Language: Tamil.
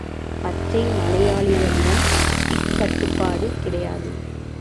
பச்சை மலையாளிகளிடம் இக் கட்டுப்பாடு கிடையாது.